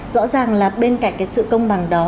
rõ ràng là bên cạnh cái sự công bằng đó